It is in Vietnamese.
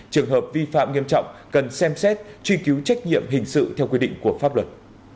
trường hợp vi phạm nghiêm trọng cần xem xét truy cứu trách nhiệm hình sự theo quy định của pháp luật